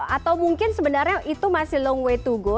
atau mungkin sebenarnya itu masih long way to go